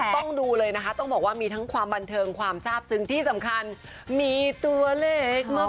ต้องดูเลยนะคะต้องบอกว่ามีทั้งความบันเทิงความทราบซึ้งที่สำคัญมีตัวเลขมา